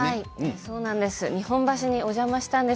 そうなんです。